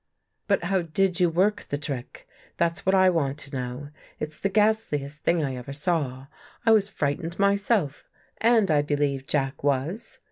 " But how did you work the trick? That's what I want to know. It's the ghastliest thing I ever saw. I was frightened myself and I believe Jack was."